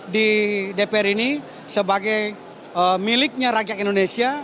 di dpr ini sebagai miliknya rakyat indonesia